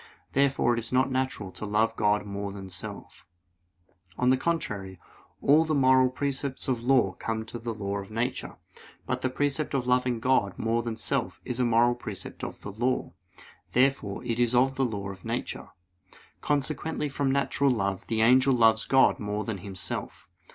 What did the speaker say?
Therefore it is not natural to love God more than self. On the contrary, All the moral precepts of the law come of the law of nature. But the precept of loving God more than self is a moral precept of the law. Therefore, it is of the law of nature. Consequently from natural love the angel loves God more than himself.